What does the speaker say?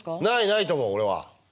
ないと思う俺は。